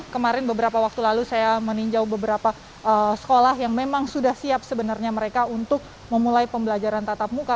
kemarin beberapa waktu lalu saya meninjau beberapa sekolah yang memang sudah siap sebenarnya mereka untuk memulai pembelajaran tatap muka